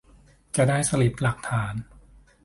จะได้สลิปหลักฐาน